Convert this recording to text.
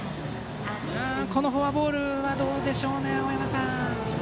このフォアボールはどうでしょう青山さん。